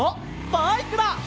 バイクだ！